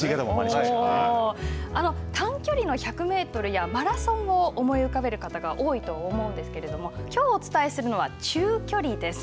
短距離の１００メートルやマラソンを思い浮かべる方が多いと思うんですけれどもきょうお伝えするのは中距離です。